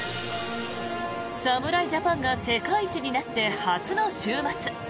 侍ジャパンが世界一になって初の週末。